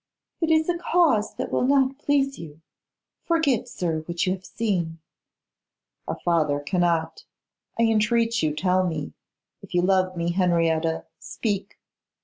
'It is a cause that will not please you. Forget, sir, what you have seen.' 'A father cannot. I entreat you tell me. If you love me, Henrietta, speak.